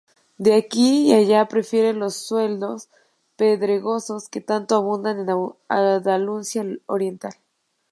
Aquí y allá prefiere los suelos pedregosos que tanto abundan en Andalucía oriental.